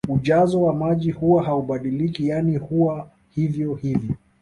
Ujazo wa maji huwa haubadiliki yani huwa hivyo hivyo